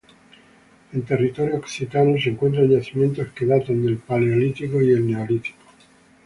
En territorio occitano se encuentran yacimientos que datan del Paleolítico y el Neolítico.